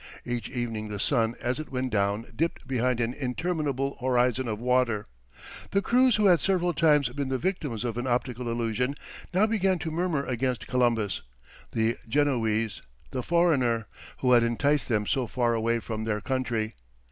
Each evening the sun as it went down dipped behind an interminable horizon of water. The crews who had several times been the victims of an optical illusion, now began to murmur against Columbus, "the Genoese, the foreigner," who had enticed them so far away from their country.